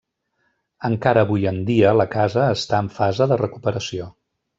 Encara avui en dia la casa està en fase de recuperació.